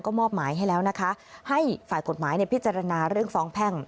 มอบหมายให้แล้วนะคะให้ฝ่ายกฎหมายพิจารณาเรื่องฟ้องแพ่ง